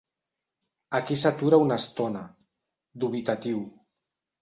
Aquí s'atura una estona, dubitatiu.